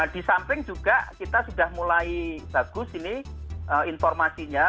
di samping juga kita sudah mulai bagus ini informasinya